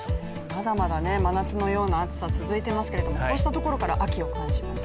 まだまだ真夏のような暑さが続いていますが、こうしたところから秋を感じますね。